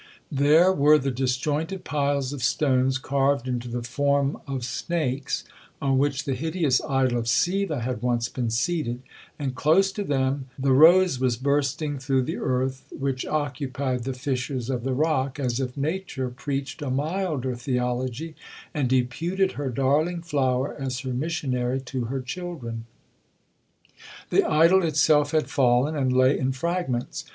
There were the disjointed piles of stones carved into the form of snakes, on which the hideous idol of Seeva had once been seated; and close to them the rose was bursting through the earth which occupied the fissures of the rock, as if nature preached a milder theology, and deputed her darling flower as her missionary to her children. The idol itself had fallen, and lay in fragments.